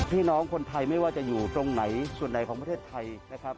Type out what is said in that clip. พี่น้องคนไทยไม่ว่าจะอยู่ตรงไหนส่วนไหนของประเทศไทยนะครับ